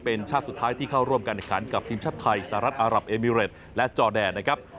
เป็นชาติสุดท้ายที่เข้าร่วมการแข่งขันกับทีมชาติไทยสหรัฐอารับเอมิเรตและจอแดนนะครับ